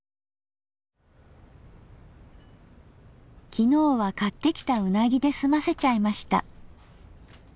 昨日は買ってきたうなぎで済ませちゃいました。